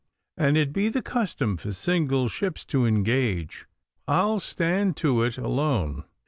An' it be the custom for single ships to engage, I'll stand to it alone.